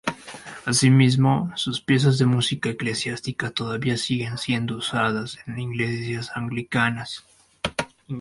Asimismo, sus piezas de música eclesiástica todavía siguen siendo usadas en Iglesias Anglicanas.